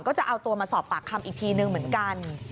ก็จะเอาตัวมาสอบปากคำอีกทีนึงเหมือนกัน